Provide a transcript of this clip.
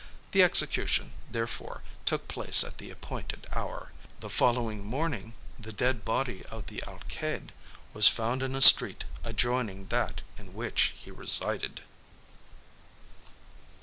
The execution, therefore, took place at the appointed hour. The following morning, the dead body of the Alcalde was found in a street adjoining that in which he resided.